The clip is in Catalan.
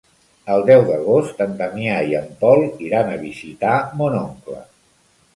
El deu d'agost en Damià i en Pol iran a visitar mon oncle.